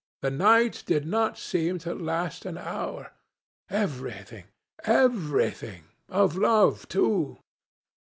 The night did not seem to last an hour. Everything! Everything! ... Of love too.'